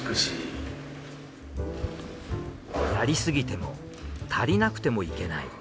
やりすぎても足りなくてもいけない。